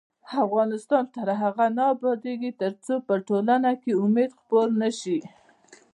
افغانستان تر هغو نه ابادیږي، ترڅو په ټولنه کې امید خپور نشي.